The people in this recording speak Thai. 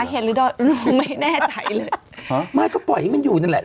เห็นหรือไม่แน่ใจเลยฮะไม่ก็ปล่อยให้มันอยู่นั่นแหละ